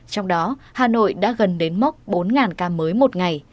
trong đó hà nội đã gần đến mốc bốn ca mới một ngày